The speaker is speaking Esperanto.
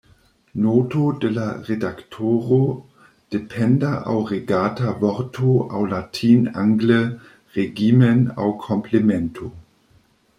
Noto de la redaktoro: Dependa aŭ regata vorto aŭ latin-angle regimen aŭ komplemento.